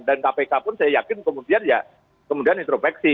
dan kpk pun saya yakin kemudian ya kemudian introveksi